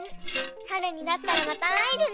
はるになったらまたあえるね。